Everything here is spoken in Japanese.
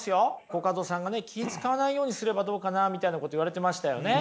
コカドさんが気ぃ遣わないようにすればどうかなみたいなこと言われてましたよね。